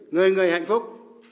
người người hạnh phúc